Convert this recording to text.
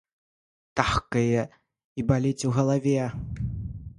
Тахкае і баліць у галаве.